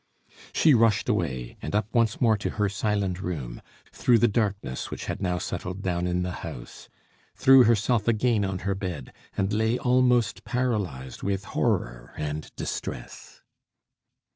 She rushed away, and up once more to her silent room, through the darkness which had now settled down in the house; threw herself again on her bed, and lay almost paralysed with horror and distress.